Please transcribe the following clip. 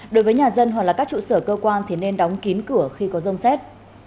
đối với nhà dân hoặc là các trụ sở cơ quan thì nên đóng kín cửa khi có rông xét